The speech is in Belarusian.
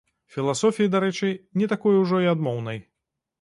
Філасофіі, дарэчы, не такой ужо і адмоўнай.